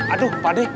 aduh pak d